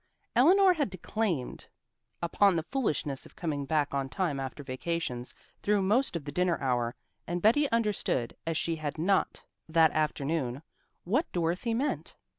Eleanor had declaimed upon the foolishness of coming back on time after vacations through most of the dinner hour, and Betty understood as she had not that afternoon what Dorothy meant.